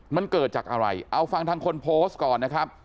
มันเกิดจากอะไรเอาฟังทางคนโพสต์ก่อนนะครับ